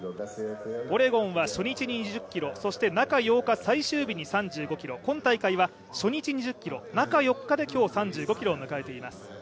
オレゴンは初日に２０ｋｍそして中８日最終日に３５ｋｍ、今大会は初日に２０ｋｍ中４日で今日３５ｋｍを迎えています。